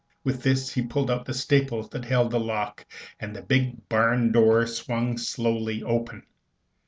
With this he pulled out the staples that held the lock, and the big barn door swung slowly open.